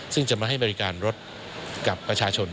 ซึ่งจะมาให้บริการรถกับประชาชน